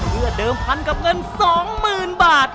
เพื่อเดิมพันกับเงิน๒๐๐๐บาท